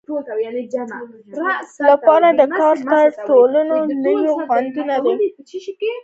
دا د ادبپوهانو لپاره د کال تر ټولو لویه غونډه ده.